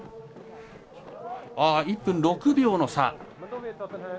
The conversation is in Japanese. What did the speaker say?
１分６秒の差。